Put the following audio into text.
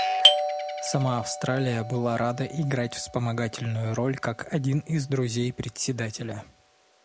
Сама Австралия была рада играть вспомогательную роль как один из друзей Председателя.